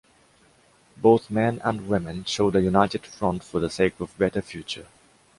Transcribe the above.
Both men and women showed a united front for the sake of better future.